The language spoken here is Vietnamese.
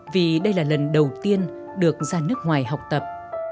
vì đây là lần đầu tiên được ra nước ngoài học tập